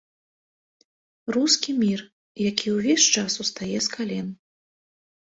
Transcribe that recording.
Рускі мір, які увесь час устае з кален.